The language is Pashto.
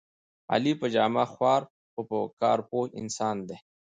علي په جامه خوار خو په کار پوره انسان دی.